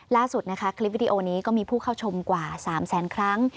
ล่าสุดนะคะคลิปวิดีโอนี้ก็มีผู้เข้าชมกว่า๓แสนครั้ง